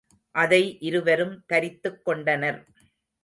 அதை இருவரும் தரித்துக் கொண்டனர்.